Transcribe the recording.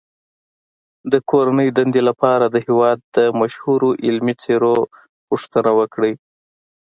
د کورنۍ دندې لپاره د هېواد د مشهورو علمي څیرو پوښتنه وکړئ.